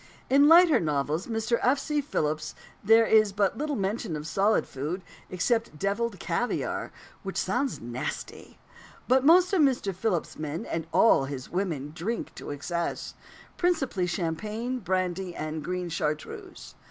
In the lighter novels of Mr. F. C. Philips, there is but little mention of solid food except devilled caviare, which sounds nasty; but most of Mr. Philips's men, and all his women, drink to excess principally champagne, brandy, and green chartreuse.